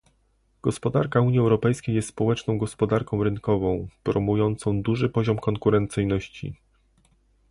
Gospodarka Unii Europejskiej jest społeczną gospodarką rynkową, promującą duży poziom konkurencyjności